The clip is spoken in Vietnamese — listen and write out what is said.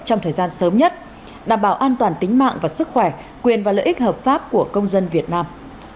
trong thời gian sớm nhất đảm bảo an toàn tính mạng và sức khỏe quyền và lợi ích hợp pháp của công dân việt nam